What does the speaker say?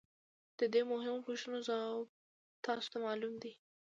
د دې مهمو پوښتنو ځواب تاسو ته معلوم دی